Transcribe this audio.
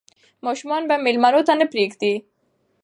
ماشومان به مېلمنو ته نه پرېږدي.